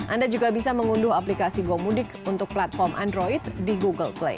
anda juga bisa mengunduh aplikasi gomudik untuk platform android di google play